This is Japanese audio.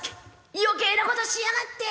「余計なことしやがって！」。